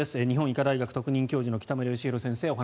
日本医科大学特任教授の北村義浩先生